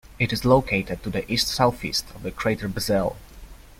It is located to the east-southeast of the crater Bessel.